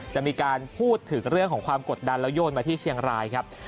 จะมีการพูดถึงเรื่องของความกดดันแล้วโยนมาที่เชียงรายครับ